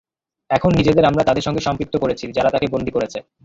এখন নিজেদের আমরা তাদের সঙ্গে সম্পৃক্ত করেছি, যারা তাঁকে বন্দী করেছে।